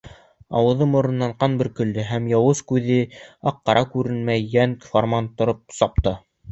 Ауыҙы-морононан ҡан бөркөлдө һәм яуыз күҙе аҡ-ҡара күренмәй, йән-фарман тороп сапты.